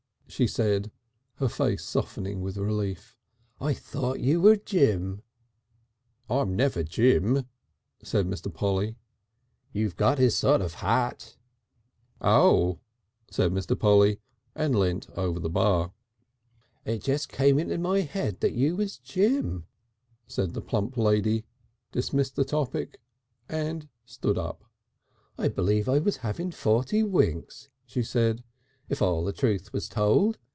she said, her face softening with relief, "I thought you were Jim." "I'm never Jim," said Mr. Polly. "You've got his sort of hat." "Ah!" said Mr. Polly, and leant over the bar. "It just came into my head you was Jim," said the plump lady, dismissed the topic and stood up. "I believe I was having forty winks," she said, "if all the truth was told.